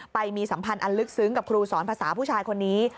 ไปมีสัมพันธ์อันลึกซึ้งกับครูสอนภาษาผู้ชายคนนี้